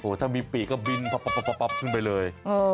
โอ้โฮถ้ามีปีกก็บินพับขึ้นไปเลย